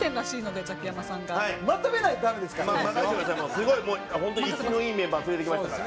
すごいもう本当に生きのいいメンバー連れてきましたから。